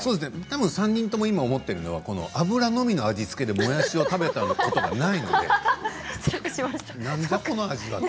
３人とも今、思ってるのは油のみの味付けでもやしを食べたことがないのでなんじゃ、この味はと。